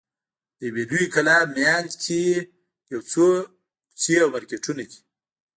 د یوې لویې کلا منځ کې یو څو کوڅې او مارکېټونه دي.